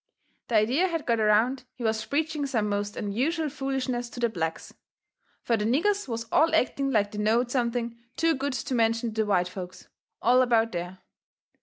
The idea had got around he was preaching some most unusual foolishness to the blacks. Fur the niggers was all acting like they knowed something too good to mention to the white folks, all about there.